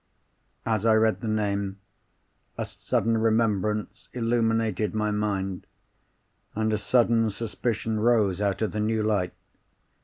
As I read the name, a sudden remembrance illuminated my mind, and a sudden suspicion rose out of the new light.